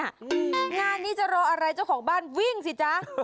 งานนี้จะรออะไรเจ้าของบ้านวิ่งสิจ๊ะ